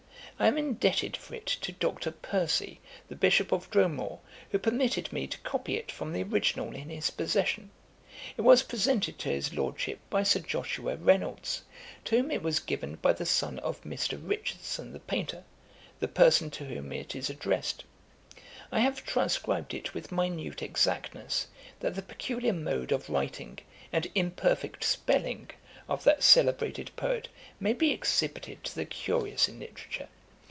I am indebted for it to Dr. Percy, the Bishop of Dromore, who permitted me to copy it from the original in his possession. It was presented to his Lordship by Sir Joshua Reynolds, to whom it was given by the son of Mr. Richardson the painter, the person to whom it is addressed. I have transcribed it with minute exactness, that the peculiar mode of writing, and imperfect spelling of that celebrated poet, may be exhibited to the curious in literature.